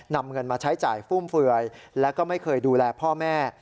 นำเงินมาใช้จ่ายฟุ่มเฟือยและก็ไม่เคยดูแลพ่อแม่